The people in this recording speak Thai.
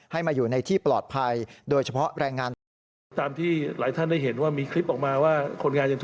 ให้มาอยู่ในที่ปลอดภัยโดยเฉพาะแรงงาน